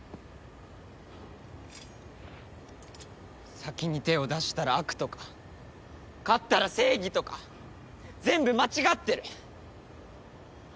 先に手を出したら悪とか勝ったら正義とか全部間違ってる！